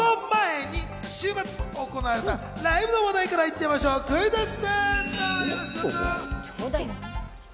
その前に週末行われたライブの話題からいっちゃいましょう、クイズッス！